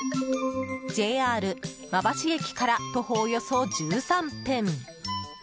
ＪＲ馬橋駅から徒歩およそ１３分。